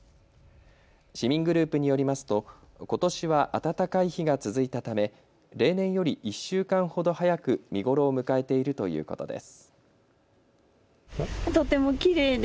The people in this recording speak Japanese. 市民グループによりますとことしは暖かい日が続いたため例年より１週間ほど早く見頃を迎えているということです。